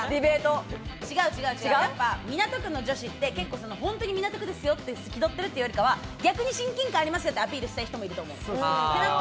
港区の女子って、結構ほんとに港区ですよって気取ってるっていうよりかは、逆に親近感ありますよってアピールしたい人もいると思う。